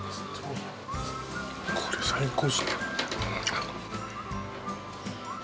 これ、最高っすね。